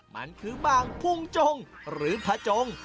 มันคือบางพุ่งจงหรือพระจง